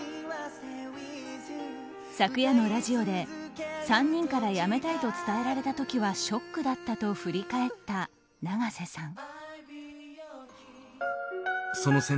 昨夜のラジオで３人から辞めたいと伝えられた時はショックだったと振り返った永瀬さん。